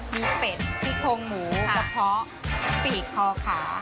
มีเป็ดซี่โครงหมูกระเพาะปีกคอขา